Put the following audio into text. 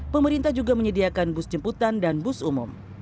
pemerintah juga menyediakan bus jemputan dan bus umum